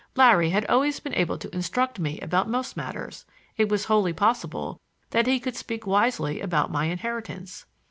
Larry had always been able to instruct me about most matters; it was wholly possible that he could speak wisely about my inheritance.